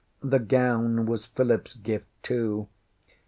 The gown was PhilipŌĆÖs gift, too!